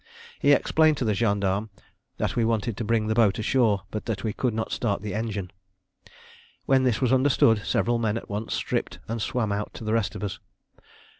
He explained to the gendarme that we wanted to bring the boat ashore, but that we could not start the engine. When this was understood several men at once stripped and swam out to the rest of us.